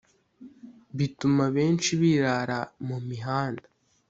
bituma benshi birara mu mihanda